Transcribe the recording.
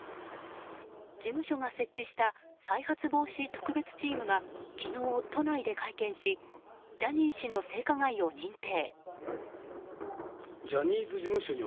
事務所が設置した再発防止特別チームが昨日、都内で会見しジャニー氏の性加害を認定。